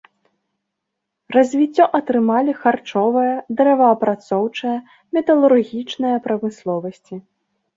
Развіццё атрымалі харчовая, дрэваапрацоўчая, металургічная прамысловасці.